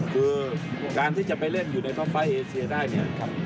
คือการที่จะไปเล่นอยู่ในต้องไฟเอเซียได้